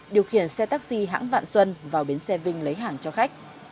điều khiển xe taxi hãng vạn xuân vào bến xe vinh lấy hàng cho khách